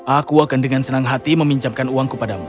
aku akan dengan senang hati meminjamkan uangku padamu